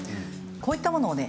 こういったものをね